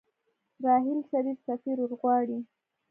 راحیل شريف سفير ورغواړي.